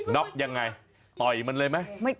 ็อกยังไงต่อยมันเลยไหม